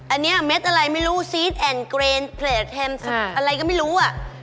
อันนี้เม็ดอะไรไม่รู้ซีสก์อันนี้ไม่รู้